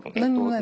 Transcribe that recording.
何？